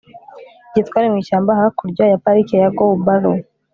Igihe twari mu ishyamba hakurya ya Parike ya Gowbarrow